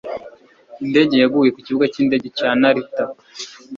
Indege yaguye ku Kibuga cy'indege cya Narita.